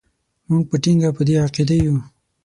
موږ په ټینګه په دې عقیده یو.